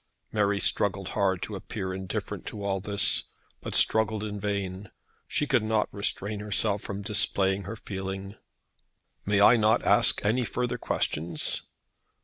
Mary struggled hard to appear indifferent to all this, but struggled in vain. She could not restrain herself from displaying her feeling. "May I not ask any further questions?"